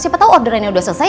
siapa tau orderannya udah selesai